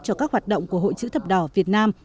cho các hoạt động của hội chữ thập đỏ việt nam